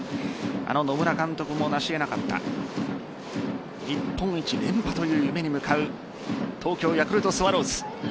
あの野村監督もなし得なかった日本一連覇という夢に向かう東京ヤクルトスワローズ。